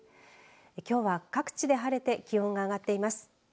きょうは各地で晴れて気温が上がっています。